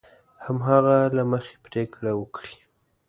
هماغه له مخې پرېکړه وکړي.